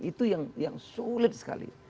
itu yang sulit sekali